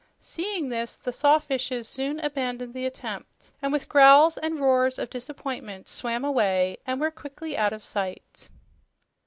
Seeing this, the sawfishes soon abandoned the attempt and with growls and roars of disappointment swam away and were quickly out of sight.